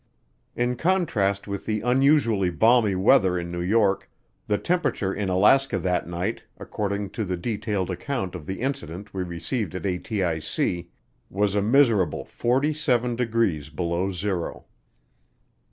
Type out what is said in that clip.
In contrast with the unusually balmy weather in New York, the temperature in Alaska that night, according to the detailed account of the incident we received at ATIC, was a miserable 47 degrees below zero.